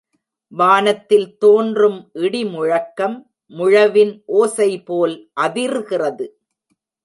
வானத்தில் தோன்றும் இடி முழக்கம், முழவின் ஓசைபோல் அதிர்கிறது.